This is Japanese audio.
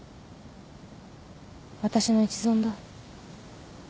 私の一存だ。